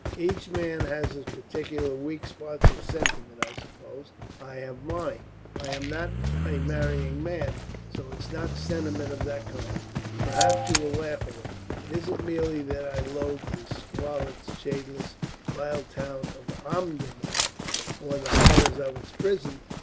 "Each man has his particular weak spot of sentiment, I suppose. I have mine. I am not a marrying man, so it's not sentiment of that kind. Perhaps you will laugh at it. It isn't merely that I loathe this squalid, shadeless, vile town of Omdurman, or the horrors of its prison.